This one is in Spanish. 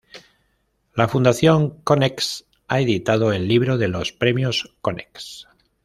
La Fundación Konex ha editado “El Libro de los Premios Konex.